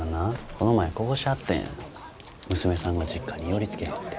この前こぼしてはったんや娘さんが実家に寄りつけへんて。